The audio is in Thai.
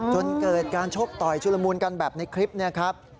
จนเกิดการชกต่อยชุลมูลกันแบบในคลิปนี้ครับ